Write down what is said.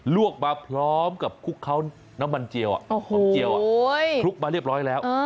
วกมาพร้อมกับคลุกเขาน้ำมันเจียวน้ำเจียวคลุกมาเรียบร้อยแล้ว